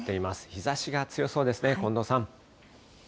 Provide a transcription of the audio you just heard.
日ざしが強そうですね、近藤さん。